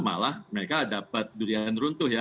malah mereka dapat durian runtuh ya